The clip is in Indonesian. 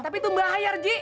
tapi itu bahayar ji